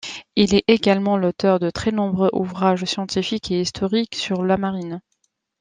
Il est également l’auteur de très nombreux ouvrages scientifiques et historiques sur la marine.